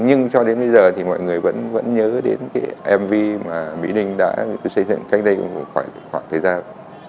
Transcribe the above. nhưng cho đến bây giờ thì mọi người vẫn nhớ đến cái mv mà mỹ linh đã xây dựng cách đây khoảng thời gian